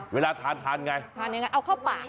เวลาทานทานไงทานยังไงเอาเข้าปาก